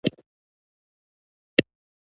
زه په ځان باور لرم.